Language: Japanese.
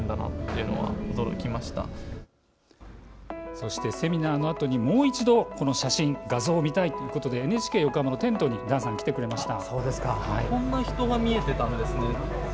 そしてセミナーのあとにもう一度、写真、画像を見たいということでＮＨＫ横浜のテントに段さん、来てくれました。